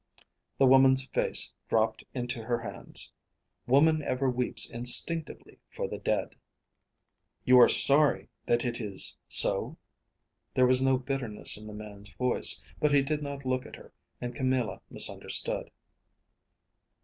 The woman's face dropped into her hands. Woman ever weeps instinctively for the dead. "You are sorry that it is so?" There was no bitterness in the man's voice, but he did not look at her, and Camilla misunderstood.